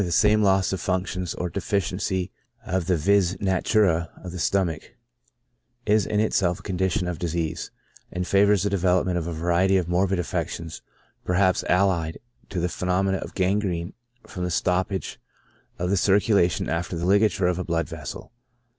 8 ON THE ACTION OF the same loss of functions, or deficiency of the vis natura of the stomach, is in itself a condition of disease, and favors the development of a variety of morbid affections, perhaps allied to the phenomenon of gangrene from the stoppage of the circulation after the ligature of a blood vessel.